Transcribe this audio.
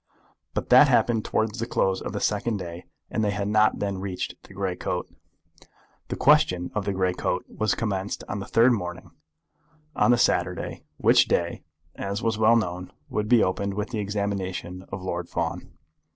But that happened towards the close of the second day, and they had not then reached the grey coat. The question of the grey coat was commenced on the third morning, on the Saturday, which day, as was well known, would be opened with the examination of Lord Fawn.